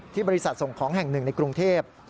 ที่บริษัทส่งของแห่ง๑ในกรุงเทพฯ